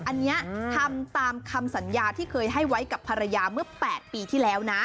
อันนี้ทำตามคำสัญญาที่เคยให้ไว้กับภรรยาเมื่อ๘ปีที่แล้วนะ